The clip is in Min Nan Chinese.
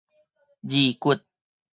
字骨